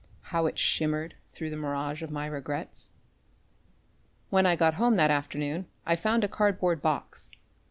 How it shimmered through the mirage of my regrets. When I got home that afternoon I found a cardboard box.